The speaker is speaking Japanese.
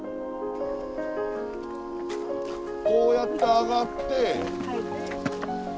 こうやって上がって。